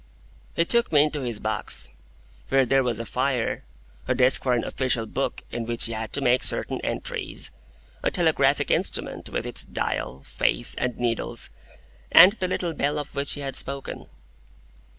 He took me into his box, where there was a fire, a desk for an official book in which he had to make certain entries, a telegraphic instrument with its dial, face, and needles, and the little bell of which he had spoken.